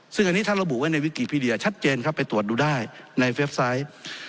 ซึ่งอันนี้ท่านระบุไว้ในวิกีพีเดียชัดเจนครับไปตรวจดูได้ในเว็บไซต์